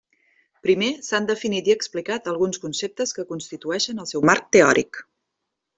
Primer, s'han definit i explicat alguns conceptes que constitueixen el seu marc teòric.